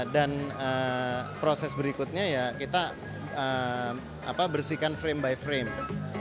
dan proses berikutnya ya kita bersihkan frame by frame